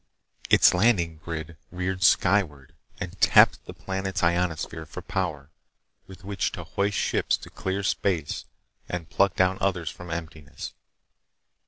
Its landing grid reared skyward and tapped the planet's ionosphere for power with which to hoist ships to clear space and pluck down others from emptiness.